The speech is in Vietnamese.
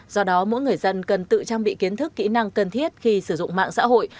do đó mỗi người dân cần tự trang bị kiến thức kỹ năng cần thiết khi sử dụng mạng xã hội